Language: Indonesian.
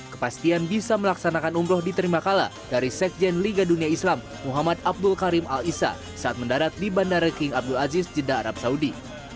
kepastian bisa melaksanakan umroh diterima kala dari sekjen liga dunia islam muhammad abdul karim al isa saat mendarat di bandara king abdul aziz jeddah arab saudi